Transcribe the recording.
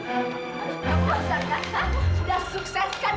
kamu sudah sukses kan